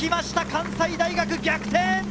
関西大学、逆転！